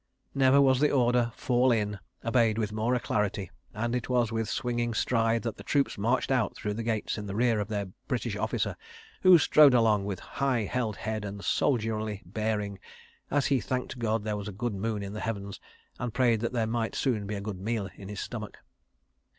Never was the order, "Fall in!" obeyed with more alacrity, and it was with a swinging stride that the troops marched out through the gates in the rear of their British officer, who strode along with high held head and soldierly bearing, as he thanked God there was a good moon in the heavens, and prayed that there might soon be a good meal in his stomach.